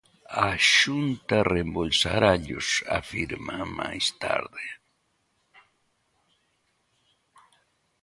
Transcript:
A Xunta reembolsarallos, afirma, máis tarde.